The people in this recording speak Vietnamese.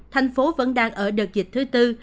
thành phố vẫn đang ở đợt dịch thứ tư